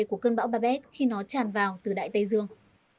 của cơn bão babet khi nó tràn vào từ đại tây dương